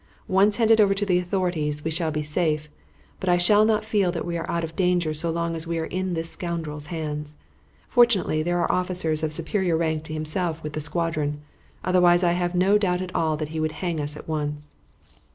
Once handed over to the authorities we shall be safe; but I shall not feel that we are out of danger so long as we are in this scoundrel's hands. Fortunately there are officers of superior rank to himself with the squadron, otherwise I have no doubt at all that he would hang us at once."